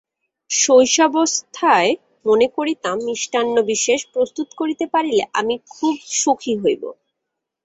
শৈশবাবস্থায় মনে করিতাম, মিষ্টান্ন-বিশেষ প্রস্তুত করিতে পারিলে আমি খুব সুখী হইব।